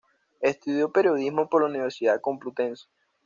Estudió periodismo por la Universidad Complutense.